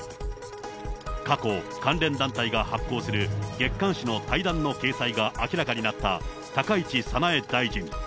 過去、関連団体が発行する月刊誌の対談の掲載が明らかになった高市早苗大臣。